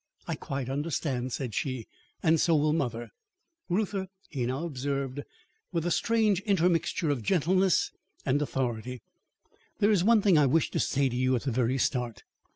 "I quite understand," said she; "and so will mother." "Reuther," he now observed with a strange intermixture of gentleness and authority, "there is one thing I wish to say to you at the very start.